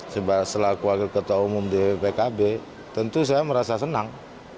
setelah kewakil ketua umum di bkb tentu saya merasa senang